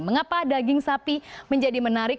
mengapa daging sapi menjadi menarik